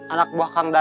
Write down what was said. anak buah kangdang